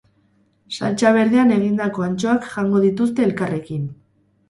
Saltsa berdean egindako antxoak jango dituzte elkarrekin.